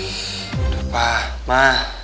udah pak ma